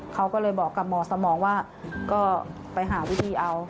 เขาก็เลยบอกกับหมอสมองว่าก็ไปหาวิธีเอา